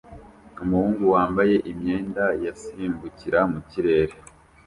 Umuhungu wambaye imyenda y’asimbukira mu kirere